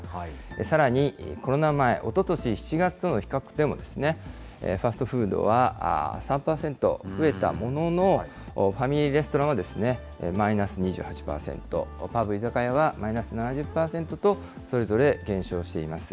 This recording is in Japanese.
さらに、コロナ前、おととし７月との比較でも、ファストフードは３％増えたものの、ファミリーレストランはマイナス２８％、パブ、居酒屋はマイナス７０％と、それぞれ減少しています。